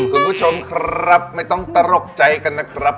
คุณผู้ชมครับไม่ต้องตลกใจกันนะครับ